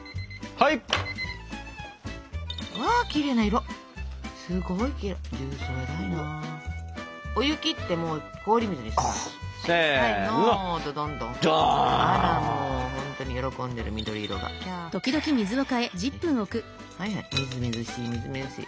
はいはいはいみずみずしいみずみずしい。